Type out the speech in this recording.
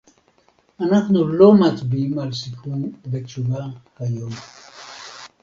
אנחנו לא מצביעים על סיכום ותשובה היום